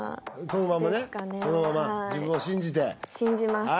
そのままはい自分を信じて信じます